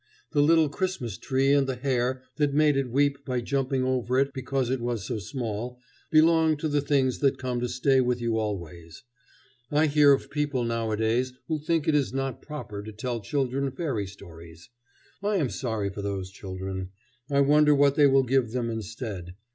The little Christmas tree and the hare that made it weep by jumping over it because it was so small, belong to the things that come to stay with you always. I hear of people nowadays who think it is not proper to tell children fairy stories. I am sorry for those children. I wonder what they will give them instead.